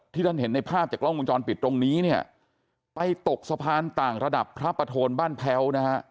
ที่ท่านเห็นในภาพจากล้องมุมจรปิดตรงนี้ไปตกสะพานต่างระดับพระปะโทนบ้านแพ้ว